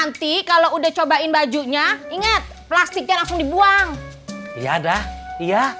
nanti kalau udah cobain bajunya ingat plastiknya langsung dibuang ya dah iya